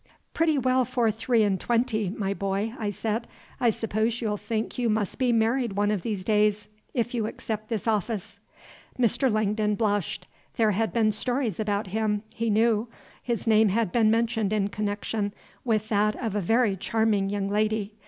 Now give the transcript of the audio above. "Pretty well for three and twenty, my boy," I said. "I suppose you'll think you must be married one of these days, if you accept this office." Mr. Langdon blushed. There had been stories about him, he knew. His name had been mentioned in connection with that of a very charming young lady.